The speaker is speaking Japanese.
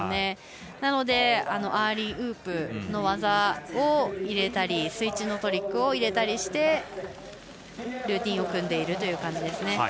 なのでアーリーウープの技を入れたりスイッチのトリックを入れたりしルーティンを組んでいますね。